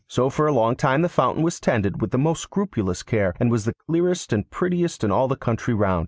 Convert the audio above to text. So for a long time the fountain was tended with the most scrupulous care, and was the clearest and prettiest in all the country round.